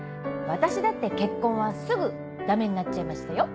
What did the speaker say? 私だって結婚はすぐダメになっちゃいましたよ。